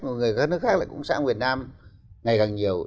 người việt nam sang các nước khác lại cũng sang việt nam ngày càng nhiều